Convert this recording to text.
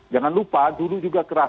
jangan lupa dulu juga keras